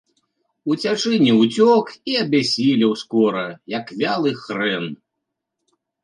Уцячы не ўцёк і абяссілеў скора, як вялы хрэн.